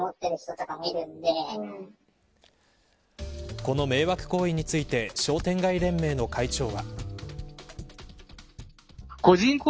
この迷惑行為について商店街連盟の会長は。